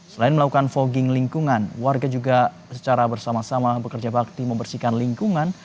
selain melakukan fogging lingkungan warga juga secara bersama sama bekerja bakti membersihkan lingkungan